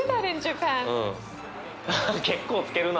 結構つけるな。